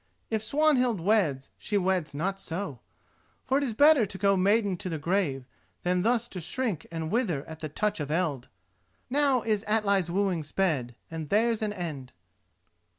If Swanhild weds she weds not so, for it is better to go maiden to the grave than thus to shrink and wither at the touch of eld. Now is Atli's wooing sped, and there's an end."